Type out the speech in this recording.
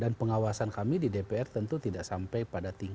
dan pengawasan kami di dpr tentu tidak sampai pada saat ini